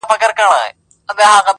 د مینو درد غزل سي یا ټپه سي-